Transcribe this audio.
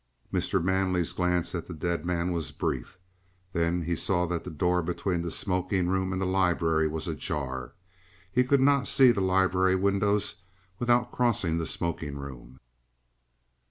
Mr. Manley's glance at the dead man was brief. Then he saw that the door between the smoking room and the library was ajar. He could not see the library windows without crossing the smoking room.